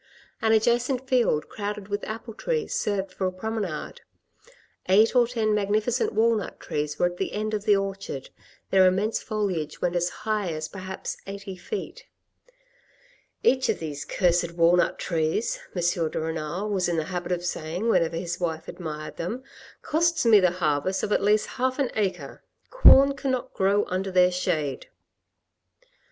An adjacent field, crowded with apple trees, served for a promenade. Eight or ten magnificent walnut trees were at the end of the orchard. Their immense foliage went as high as perhaps eighty feet. " Each of these cursed walnut trees," M. de Renal was in the habit of saying, whenever his wife admired them, " costs me the harvest of at least half an acre; corn cannot grow under their shade."